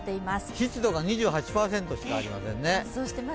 湿度が２８％しかありませんね。